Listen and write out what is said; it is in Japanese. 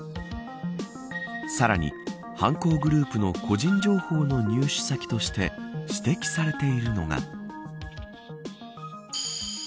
さらに犯行グループの個人情報の入手先として指摘されているのが。